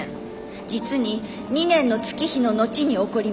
実に２年の月日の後に起こりました」。